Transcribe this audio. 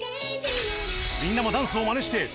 みんなもダンスをまねして＃